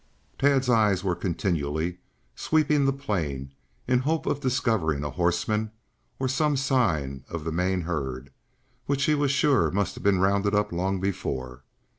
Tad's eyes were continually sweeping the plains in hope of discovering a horseman or some signs of the main herd, which he was sure must have been rounded up long before.